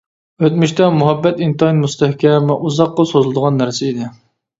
ئۆتمۈشتە مۇھەببەت ئىنتايىن مۇستەھكەم ۋە ئۇزاققا سوزۇلىدىغان نەرسە ئىدى.